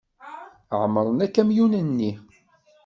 Ɛemmren akamyun-nni.